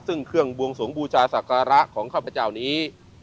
ซึ่งเครื่องบวงสวงบูชาศักระของข้าพเจ้านี้